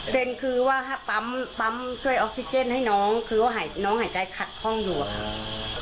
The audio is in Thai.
คือว่าถ้าปั๊มปั๊มช่วยออกซิเจนให้น้องคือว่าน้องหายใจขัดข้องอยู่อะค่ะ